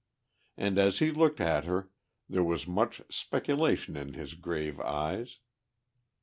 And as he looked at her there was much speculation in his grave eyes.